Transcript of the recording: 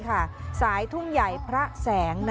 สายทุ่งใหญ่พระแสง